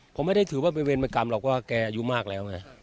ผมไม่ได้ถือว่าเป็นเวรกรรมหรอกว่าแกอายุมากแล้วไง